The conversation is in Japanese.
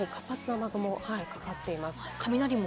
この辺り、活発な雨雲がかかっています。